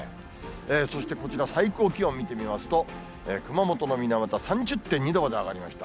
そしてこちら、最高気温を見てみますと、熊本の水俣３０．２度まで上がりました。